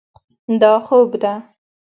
دا خوب ده.